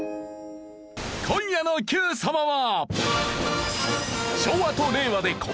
今夜の『Ｑさま！！』は。